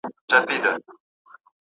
موږ باید د ناسمو تبلیغاتو مخه ونیسو.